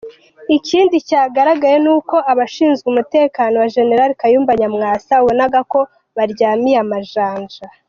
Ikindi cyagaragaye n’uko abashinzwe umutekano wa Gen Kayumba Nyamwasa wabonaga ko baryamiye amajanja.